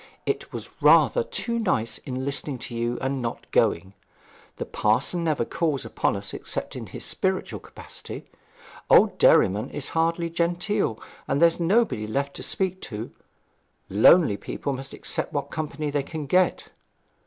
'I was rather too nice in listening to you and not going. The parson never calls upon us except in his spiritual capacity. Old Derriman is hardly genteel; and there's nobody left to speak to. Lonely people must accept what company they can get.'